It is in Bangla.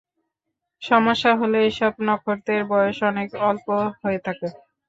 সমস্যা হল, এসব নক্ষত্রের বয়স অনেক অল্প হয়ে থাকে।